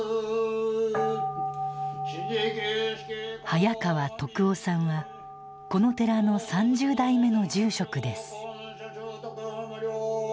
早川篤雄さんはこの寺の３０代目の住職です。